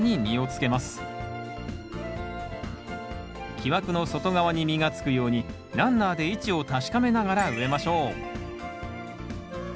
木枠の外側に実がつくようにランナーで位置を確かめながら植えましょう。